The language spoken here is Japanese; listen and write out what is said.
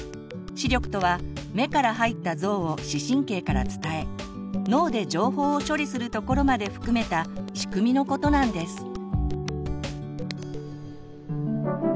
「視力」とは目から入った像を視神経から伝え脳で情報を処理するところまで含めた仕組みのことなんです。